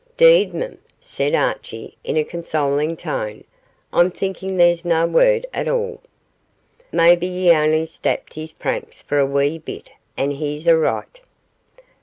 ''Deed, mem,' said Archie, in a consoling tone, 'I'm thinkin' there's na word at all. Maybe ye only stapped his pranks for a wee bit, and he's a' richt.